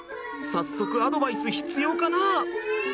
早速アドバイス必要かな？